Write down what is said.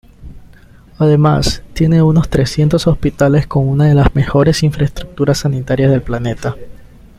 Además, tiene unos trescientos hospitales con una de las mejores infraestructuras sanitarias del planeta.